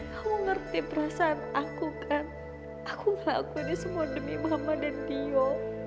kamu ngerti perasaan aku kan aku ngelakuinnya semua demi mama dan dio